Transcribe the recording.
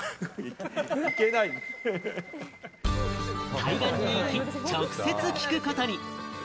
対岸に行き、直接聞くことに。